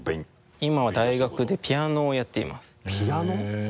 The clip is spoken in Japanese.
今は大学でピアノをやっていますピアノ？